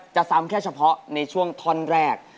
ซ้ำแค่เฉพาะในช่วงท่อนแรก